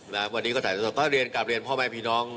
แล้ววันนี้ก็ถ่ายสดก็เรียนกลับเรียนพ่อแม่พี่น้อง